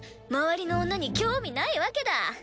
周りの女に興味ないわけだ。